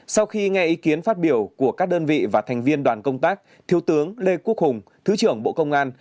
sau khi nghe ý kiến phát biểu của các đơn vị và thành viên đoàn công tác thiếu tướng lê quốc hùng thứ trưởng bộ công an